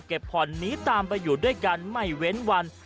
ผ่อนหนีตามไปอยู่ด้วยกันไม่เว้นวัน